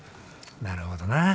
なるほどなぁ。